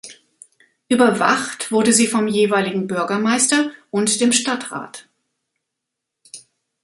Überwacht wurde sie vom jeweiligen Bürgermeister und dem Stadtrat.